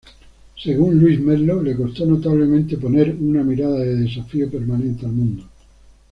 Según Luis Merlo, le costó notablemente poner "una mirada de desafío permanente al mundo".